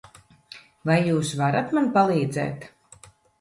Vai jūs varat man palīdzēt?